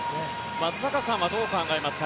松坂さんはどう考えますか。